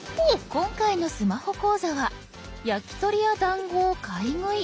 今回のスマホ講座は焼き鳥や団子を買い食い。